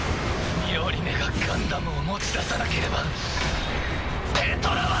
ミオリネがガンダムを持ち出さなければペトラは。